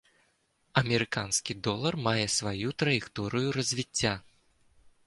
Амерыканскі долар мае сваю траекторыя развіцця.